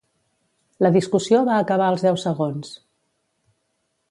La discussió va acabar als deu segons.